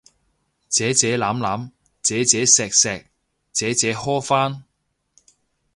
姐姐攬攬，姐姐錫錫，姐姐呵返